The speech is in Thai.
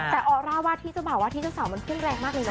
แต่ออร่าว่าที่เจ้าบ่าวว่าที่เจ้าสาวมันเพื่อนแรงมากเลยนะ